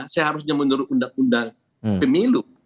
saya harusnya menurut undang undang pemilu